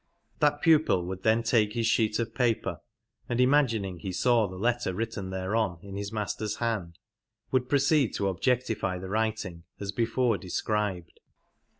That pupil would then take his sheet of paper, and, imagin ing he saw the letter written thereon in his Master's hand, would proceed to objectify the writing as before described.